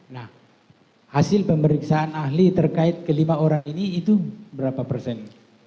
nah hasil pemeriksaan ahli terkait kelima orang ini itu berapa persen